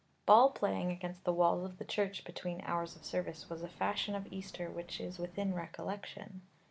V. Ball playing against the walls of the church between hours of service was a fashion of Easter which is within recollection.